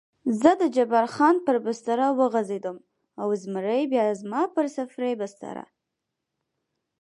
زه د جبار خان پر بستره وغځېدم او زمری بیا زما پر سفرۍ بستره.